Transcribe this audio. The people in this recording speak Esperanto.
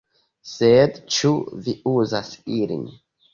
"Sed ĉu vi uzas ilin?"